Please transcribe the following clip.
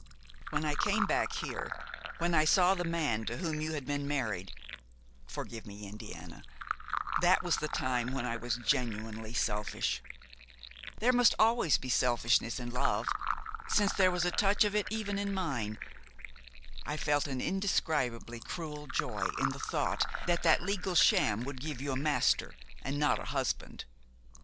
"When I came back here, when I saw the man to whom you had been married–forgive me, Indiana, that was the time when I was genuinely selfish; there must always be selfishness in love, since there was a touch of it even in mine–I felt an indescribably cruel joy in the thought that that legal sham would give you a master and not a husband.